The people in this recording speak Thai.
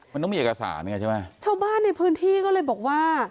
มันต้องมีเอกสารไงใช่ไหมชาวบ้านในพื้นที่ก็เลยบอกว่า